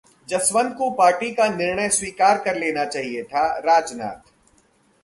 जसवंत को पार्टी का निर्णय स्वीकार कर लेना चाहिए था: राजनाथ